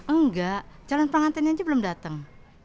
enggak calon pengantinnya aja belum datang